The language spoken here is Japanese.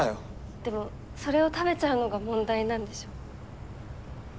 でもそれを食べちゃうのが問題なんでしょ。